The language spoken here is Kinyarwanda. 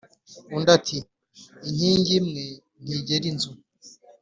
undi ati :“Inkingi imwe ntigera inzu”.